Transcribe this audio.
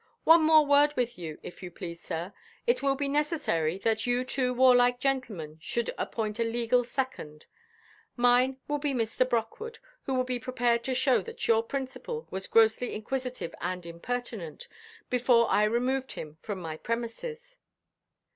"One more word with you, if you please, sir. It will be necessary that you two warlike gentlemen should appoint a legal second. Mine will be Mr. Brockwood, who will be prepared to show that your principal was grossly inquisitive and impertinent, before I removed him from my premises."